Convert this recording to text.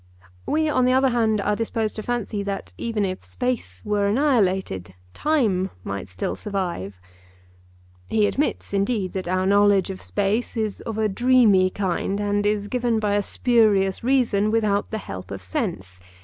We, on the other hand, are disposed to fancy that even if space were annihilated time might still survive. He admits indeed that our knowledge of space is of a dreamy kind, and is given by a spurious reason without the help of sense.